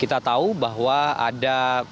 kita tahu bahwa ada beberapa duta besar yang dilantik